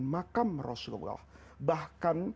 makam rasulullah bahkan